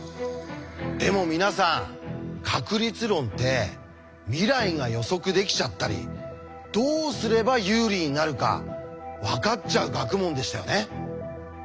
でも皆さん確率論って未来が予測できちゃったりどうすれば有利になるか分かっちゃう学問でしたよね。